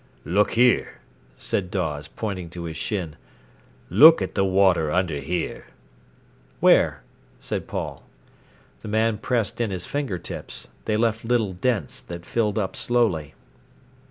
"Look here," said Dawes, pointing to his shin. "Look at the water under here." "Where?" said Paul. The man pressed in his finger tips. They left little dents that filled up slowly.